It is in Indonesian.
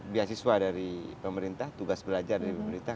beasiswa dari pemerintah tugas belajar dari pemerintah